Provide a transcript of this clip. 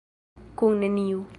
Kun neniu.